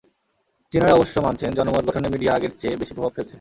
চীনারা অবশ্য মানছেন, জনমত গঠনে মিডিয়া আগের চেয়ে বেশি প্রভাব ফেলছে।